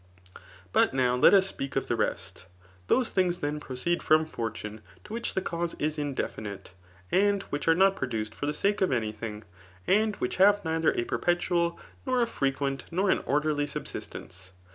But now let us speak of the rest. Those things then proceed from fortune of which the cause is indefinite and which are liot produced for the sake of any thing; and which have neither a perpetual, nor a frequent, nor an orderly subsistence.